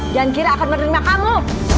jangan kira akan menerima kamu